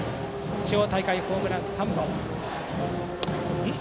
地方大会ホームランは３本。